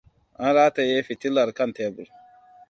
An rataye fitilar kan tebur.